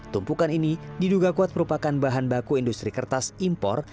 tumpukan ini diduga kuat merupakan bahan baku industri kertas impor